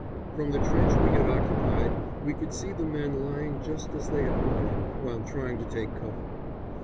From the trench we had occupied we could see the men lying just as they had fallen, while trying to take cover.